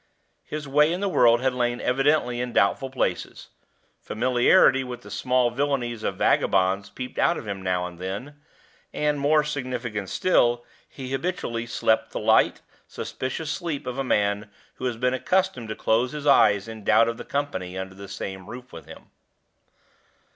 His way in the world had lain evidently in doubtful places; familiarity with the small villainies of vagabonds peeped out of him now and then; and, more significant still, he habitually slept the light, suspicious sleep of a man who has been accustomed to close his eyes in doubt of the company under the same roof with him.